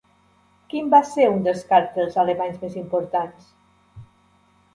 Quin va ser un dels càrtels alemanys més importants?